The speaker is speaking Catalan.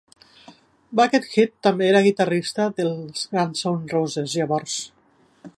Buckethead també era guitarrista dels Guns N' Roses llavors.